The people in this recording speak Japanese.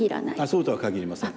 そうとは限りません。